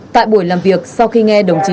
tại buổi làm việc sau khi nghe đồng chí